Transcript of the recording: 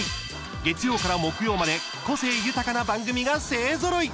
月曜から木曜まで、個性豊かな番組が勢ぞろい。